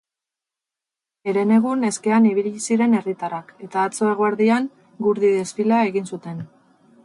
Herenegun eskean ibili ziren herritarrak eta atzo eguerdian gurdi-desfilea egin zuten.